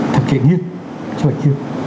thật kỳ nghiêm trình